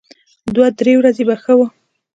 دوه درې ورځې به ښه و.